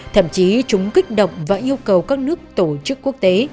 thậm chí chúng kích động và yêu cầu các nước tổ chức quốc tế